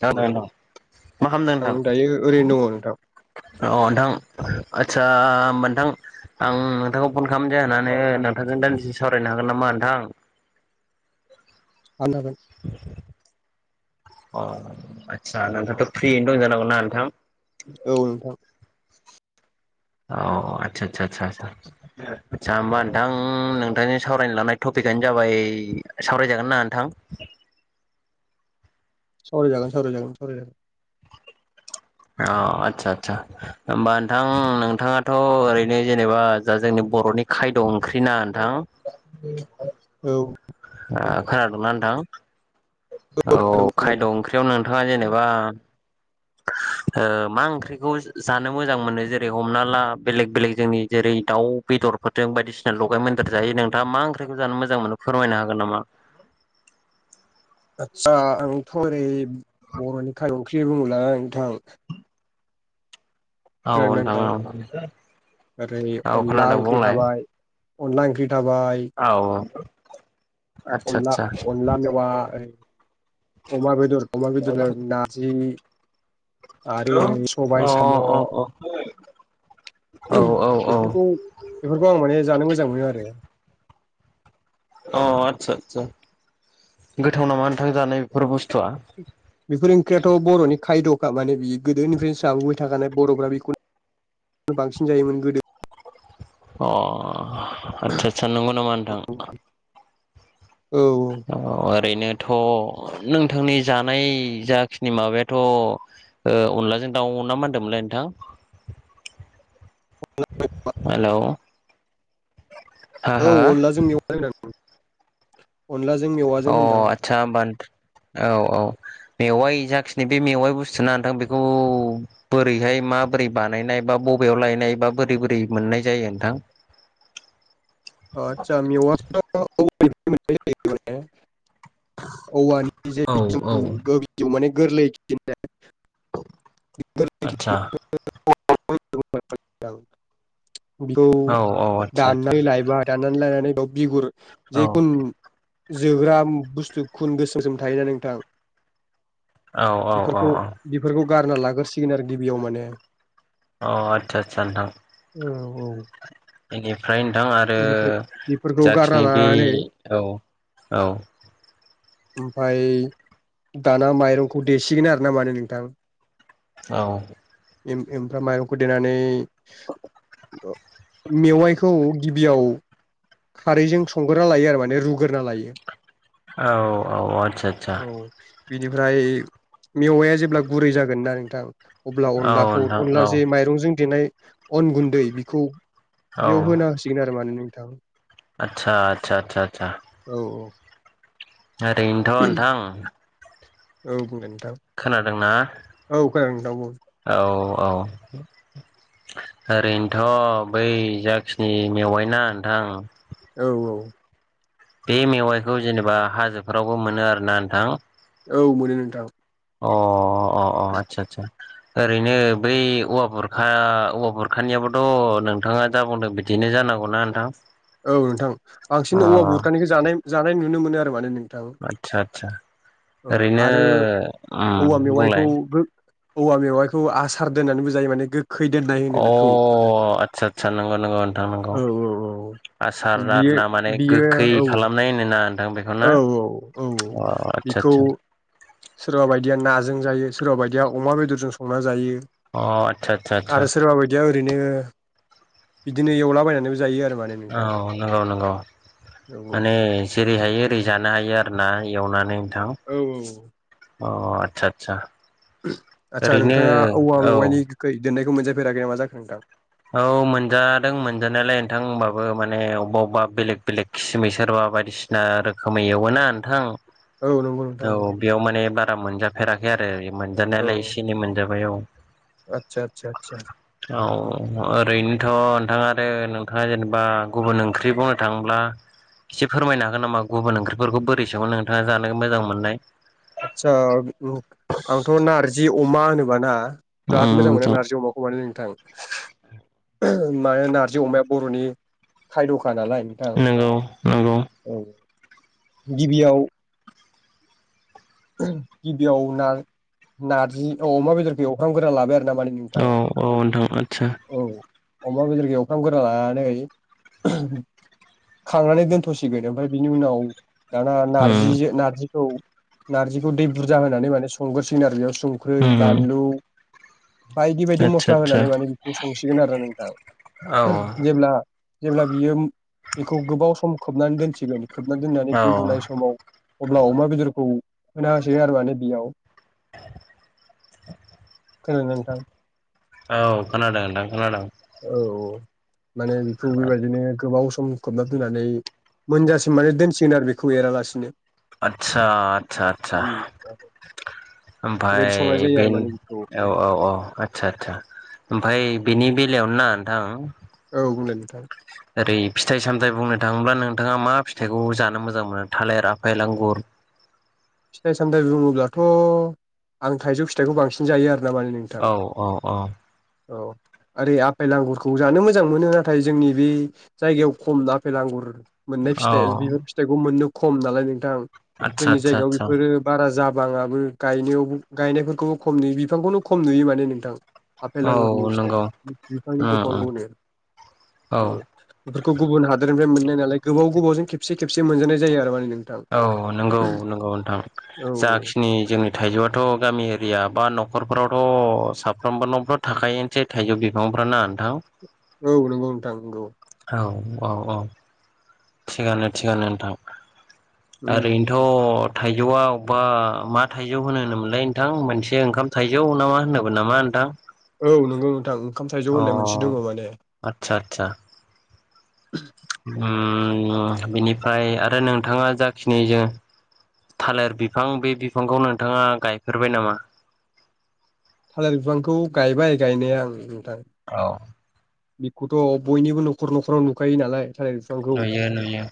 खोनादों नोंथां, मा खामदों नोंथां? आं दायो ओरैनो दङ नोंथां अ‌ नोंथां आ दसा ओमबा नोंथां आं नोंथांखौ फन खालाम जाहोनानो नोंथांजों दान्दिसे सावरायनो हागोन नामा नों थां? [unintelligible] अ आतसा नोंथाङाथ' फ्रियैनो दं‌ जानांगौ ना नोंथां? औ, नोंथां। अ आतसा आतसा‌‌ आतसा आतसा होमबा नोंथां नोंथांजों सावरायनो लानाय टपिकआनो जाबाय सावरायजागोन ना नोंथां? सावराय जागोन सावराय जागोन सावराय जागोन। अ आदसा आदसा होमबा नोंथां नोंथाङाथ' ओरैनो जेनेबा जा जोंनि बर'नि खायद' ओंख्रि ना नोंथां औ आ खोनादोंना नोंथां? औ खायद' ओंख्रियाव नोंथाङा जेनेबा [inaudible] ओ मा ओंख्रिखौ जानो मोजां मोनो जेरै-हमना ला बेलेग बेलेग जोंनि जेरै- दाउ बे दरफोरजों बायदिसिना लगायमोनदेर जायो। नोंथाङा मा ओंख्रिखौ जानो मोजां मोनो फोरमायनो हागोन नामा? [inaudible] आत्सा आंथ' ओरै बर'नि खाय ओंख्रि बुङोब्ला नोंथां खोनादों औ ना नोंथां? औ ओरै औ अनला खोनादों ओंख्रि थाबाय अनला ओंख्रि थाबाय आव अनला अनला मेवाय, अमा बेदर अमा बेदरजों नारजि आरो हेलौ सबाय अ साम' अ अ अ औ औ औ बेफोरखौ बेफोरखौ आं माने जानो मोजां मोनो आरो अ आदसा आदसा गोथाव नामा नोंथां जानाय बेफोर बुस्थुआ? बेफोर ओंख्रियाथ' बरनि खायद'खा माने बियो गोदोनिफ्रायनो जाबोबाय थाखानाय बरफ्रा बेखौनो बांसिन जायोमोन गोदो। अ आत्सा आतसा नंगौ नामा नोंथां? औ औ ओरैनोथ' नोंथांनि जानाय जाखिनि माबायाथ' ओ अनलाजों दाउ ना मा होनदोंमोनलाय नोंथां? [inaudible] हेलौ हो अ औ अनलाजों मेवाइ होनदों। अनलाजों अ मेवाजों होनदां आदसा होमबा नों औ औ मेवाइ जाखिनि बे मेवाइ बुस्थु ना नोंथां बेखौ बोरैहाय माबोरै बानायनाय बा ब बेयाव लायनाय बा बोरै बोरै मोननाय जायो नोंथां? अ आतसा मेवायखौ औवानिफ्राय मोननाय जायो माने औवानि जे औ औ बिजौ‌ माने गोरलै खिलिनाय औ गोरलै आतसा बेखौ औ औ आदसा आदसा दाननानै लाइ नानै बिगुर औ जेखुनु जोग्रा बुस जे खुन गोसोम सोम थायोना नोंथां औ औ औ बेफोरखौ अ बेफोरखौ गारना लागोरसिगोन आरो गिबियाव माने अ आतसा आतसा नोंथां। औ औ बेनिफ्राय नोंथां आर बेफोरखौ ओ गारना जाखिनि बे लानानै औ औ ओमफाय दाना माइरंखौ देसिगोन आरो ना माने नोंथां। औ। इम इमफ्राय माइरंखौ देनानै मेवाइखौ गि बेयाव खारैजों संग्रोना लायो आरो माने रुग्रोना लायो। औ औ आतसा आतसा। औ बिनिफ्राय मेवाया जेब्ला गुरै जागोन ना नोंथां अब्ला औ अनलाखौ नोंथां अनला औ जे माइरंजों देनाय अन गुन्दै बेखौ बेयाव होना होसिगोन आरो माने नोंथां। आतसा आतसा आतसा आतसा। औ ओरैनोथ' नोंथां औ बुं दे नों खोनादोंना? औ खोनादों दावब' अ। ओरैनोथ' बै जाखिनि मेवाय ना नोंथां औ औ। बे मेवाइखौ जेनेबा हाजोफोरावबो मोनो आरोना नोंथां। औ मोनो नोंथां। अ अ अ आतसा आतसा। ओरैनो बै औवा बुरखा औवा बुरखानियाबोथ' नोंथाङा जा बुंदों बिदि बे जानांगौ ना नोंथां? औ नोंथां बांसिन अ औवा बुररखानिखौ जानाय जानाय नुनो मोनो आरो मानो नों औ आदसा आदसा औ ओरैनो आरो उम औवा मेवाइखौ बुंलाय गो औवा मेवाइखौ आसार दोननानैबो जायो माने गो खै दोननाय होनो अ बेखौ आदसा आदसा नंगौ नंगौ नोंथां नंगौ औ औ औ। आसार बियो आरोना माने बियो गोखै औ औ। खालामनाय होनोना नोंथां बेखौ औ ना औ औ अ बेखौ आदसा सोरबा बायदिया नाजों जायो सोरबा बायदिया अमा बेदरजों संना जायो। अ आतसा आतसा आसा। आरो सोरबा बायदिया ओरैनो बिदिनो एवलाबायनानैबो जायो आरो। माने औ नोंथां नंगौ नंगौ औ माने जेरै हायो ओरै जानो हायो आरो ना। एवनानै नोंथां औ औ। अ आतसा आतसा। आदसा नोंथाङा औवा बेेवाइनि गोखै दोननायखौ मोनजाफेराखै ना मा जाखो नोंथां? औ मोनजादों मोनजानायालाय नोंथां होनबाबो माने अबेबा अबेबा बेलेग बेलेग खिसिमै सोरबा बायदिसिना रोखोमै एवोना नोंथां औ नंगौ नोंथां औ नंगौ बेयाव माने बारा मोनजाफेराखै आरो मोनजानायालाय एसे एनै मोनजाबाय औ। आतसा आतसा आतसा। औ ओरैनोथ' नोंथाङा आरो नोंथाङा जेनेबा गुबुन ओंख्रि बुंनो थांब्ला एसे फोरमायनो हागोन नामा गुबुन ओंख्रिफोरखौ बोरै सङो नोंथाङा जानो मोजां मोननाय? आदसा आंथ' नारजि अमा होनोबा ना उम जाहाथ मोजां मोनो नोंथां नारजि अमाखौ बानाय थां माने नारजि अमाया बर'नि खायदख खा नालाय नोंथां नंगौ नंगौ औ गिबियाव गिबियाव ना नारजि अमा बेदरखौ एवखां ग्रोना लाबाय आरो नाम नोंथां औ औ नोंथां आदसा औ। अमा बेदरखौ एवफ्रामगोरना लानानै खांनानै दोनथ'सिगोन ओमफ्राय बिनि उनाव दाना उम नारजिजों नार्जिखौ नारजिखौ दै बुरजा होनानै माने संग्रोसिगोन आरो बेयाव संख्रै उम बानलु बायदि बायदि आतसा मस्ला आतसा होनानै माने बेखौ संसिगोन आरो नोंथां। औ ओ जेब्ला जेब्ला बियो बेखौ गोबाव सम खोबनानै दोनसिगोन खोबनानै दोननानै औ गुदुनाय समाव अब्ला अमा बेदरखौ होना होसिगोन आरो माने बियाव [unintelligible] खोनदोंना नोंथां? औ खोनादों नोंथां खोनादों। औ औ माने बेखौ बेबायदिनो गोबाव स सम खोबना दोननानै मोनजासिम माने दोनसिगोन आरो बेखौ एरालासिनो आतसा आतसा आतसा उम ओमफाय बेबायदि संनाय जायो बे आरो माने बेखौ औ औ औ आतसा आतसा ओमफाय बिनि बेलायावनो ना नोंथां औ बुंलाय नोंथां ओरै फिथाइ सामथाय बुंनो थाङोब्ला नोंथाङा मा फिथाइखौ जानो मोजां मोनो थालिर आफाय आंगुर फिथाइ सामथाय बुङोब्लाथ' आं थाइजौ फिथाइखौ बांसिन जायो आरो नामानि नोंथां औ औ औ औ [unintelligible] ओरै आपेल आगुरखौ जानो मोजां मोनो नाथाय जोंनि बे जायगायाव खम आफेल आगुर मोननाय औ फिथाइ बिबार फिथाइखौ मोननो खम नालाय नोंथां आतसा जोंनि आतसा जायगायाव आतसा बेफोरो बारा जाबाङाबो गायनायावबो गायनायफोरखौबो खम नुयो बिफांखौनो खम नुयो माने नोंथां। आपेल औ आंगुरनि फिथाइ नंगौ बिफांनि उम दंफां उम खौनो औ बेफोरखौ गुबुन हादोरनिफ्राय मोननाय नालाय गोबाव गोबावजों खेबसे खेबसे मोनजानाय जायो आरो माने नों औ नोंगौ नोंगौ नोंथां औ जाखिनि जोंनि थाइजौआथ' गामि एरि या बा न'खरफोरावथ' साफ्रोमबोनावथ' थाखायोयानोसै थाइजौ बिफांफ्रा ना नोंथां। औ नंगौ नोंथां नंगौ औ औ औ, थिगानो थिगानो नोंथां। उम आरैनोथ' थाइजौआव बा मा थाइजौ होनो होनोमोनलाय नोंथां मोनसे ओंखाम थाइजौ ना मा होनोमोन नामा नोंथां? औ नोंगौ नोंथां ओंखाम थाइजौ अ होननाय मोनसे दङ माने आदसा आदसा उम बिनिफ्राय आरो नोंथाङा जाखिनि जों थालिर बिफां बे बिफांखौ नोंथाङा गायफेरबाय नामा? थालिर बिफांखौ गायबाय गायनाया ओं उम औ खौथ' बयनिबो न'खर न'खराव नुखायो नालाय थालिर बिफांखौ नुयो नुयो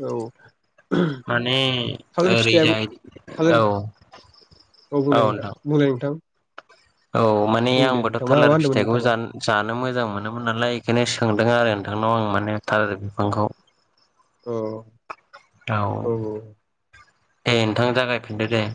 औ माने थालिर फिथाइयाबो ओरैजाय थालिर औ औ बुंलाय नोंथां बुंलाय नोंथां औ माने बुं दे आंबोथ' नोंथां मा मा थालेर होनदोंमोन फिथाइखौ नोंथाङा जान- जानो मोजां मोजां मोनोमोन नालाय बेखायनो सोंदों आरो नोंथांनाव आं माने थालिर बिफांखौ औ [inaudible] औ औ दे नोंथां जागायफिनदो दे।